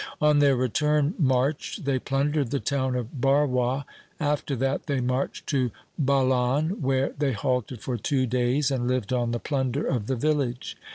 On their return march they plundered the town of Barwa. After that they marched to Bhalan, where they halted for two days and lived on the plunder of the village.